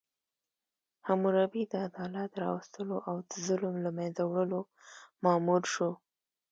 حموربي د عدالت راوستلو او ظلم له منځه وړلو مامور شو.